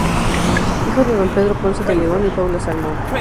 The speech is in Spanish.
Hijo de don Pedro Ponce de León y Paula Salmón.